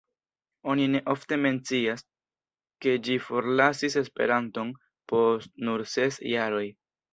Oni ne ofte mencias, ke ĝi forlasis Esperanton post nur ses jaroj.